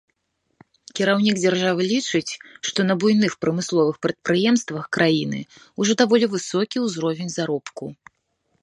Кіраўнік дзяржавы лічыць, што на буйных прамысловых прадпрыемствах краіны ўжо даволі высокі ўзровень заробку.